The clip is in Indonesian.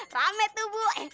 rame tuh bu